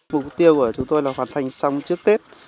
mục tiêu của chúng tôi là hoàn thành xong trước tết